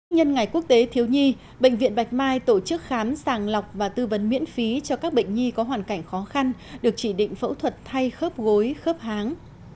nhân ngày quốc tế thiếu nhi bệnh viện bạch mai tổ chức khám sàng lọc và tư vấn miễn phí cho các bệnh nhi có hoàn cảnh khó khăn được chỉ định phẫu thuật thay khớp gối khớp háng